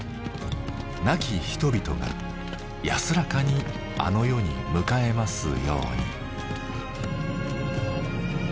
亡き人々が安らかにあの世に向かえますように。